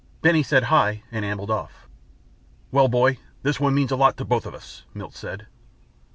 Benny said "Hi," and ambled off. "Well, boy, this one means a lot to both of us," Milt said.